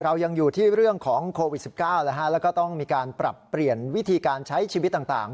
เรายังอยู่ที่เรื่องของโควิด๑๙แล้วก็ต้องมีการปรับเปลี่ยนวิธีการใช้ชีวิตต่าง